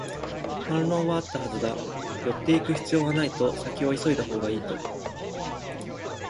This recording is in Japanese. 反論はあったはずだ、寄っていく必要はないと、先を急いだほうがいいと